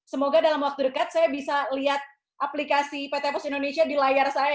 semoga dalam waktu dekat saya bisa lihat aplikasi pt pos indonesia di layar saya